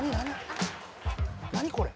何これ？